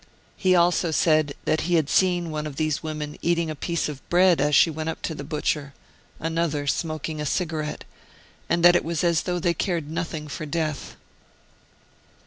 He also said that he had seen one of these women eating a piece of bread as she went up to the butcher, another smoking a cigarette, and that it was as though they cared nothing for death.